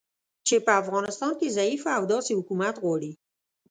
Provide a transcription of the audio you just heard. چې په افغانستان کې ضعیفه او داسې حکومت غواړي